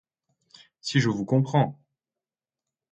Si je vous comprends !